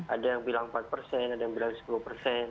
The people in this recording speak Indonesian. ada yang bilang empat persen ada yang bilang sepuluh persen